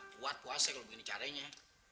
gak kuat puasa kalau begini caranya